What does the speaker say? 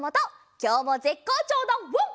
きょうもぜっこうちょうだワン！